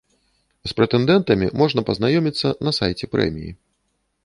З прэтэндэнтамі можна пазнаёміцца на сайце прэміі.